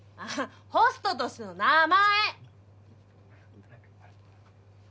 ホストとしての名前！